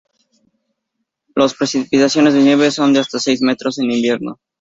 Las precipitaciones de nieve son de hasta seis metros en invierno.